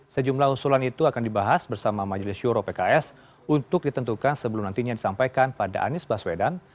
sejumlah usulan itu akan dibahas bersama majelis syuro pks untuk ditentukan sebelum nantinya disampaikan pada anies baswedan